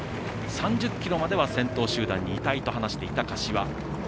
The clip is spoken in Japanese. ３０ｋｍまでは先頭集団にいたいと話していた柏。